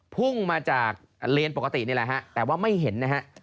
พุ่งมาจากเลนส์ปกตินี่แหละฮะแต่ว่าไม่เห็นนะฮะ